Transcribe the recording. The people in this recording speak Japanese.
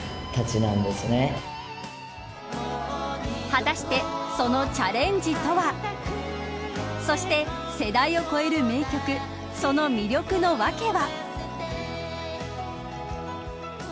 果たしてそのチャレンジとは。そして世代を超える名曲その魅力の訳は。